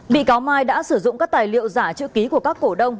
bị cáo mai đã sử dụng các tài liệu giả chữ ký của các cổ đông